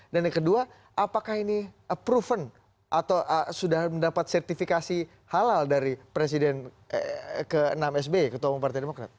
dan yang kedua apakah ini proven atau sudah mendapat sertifikasi halal dari presiden ke enam sbi ketua umum partai demokrat